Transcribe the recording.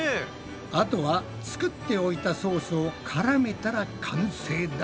あとは作っておいたソースをからめたら完成だ。